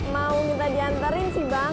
mau minta diantarin si bikin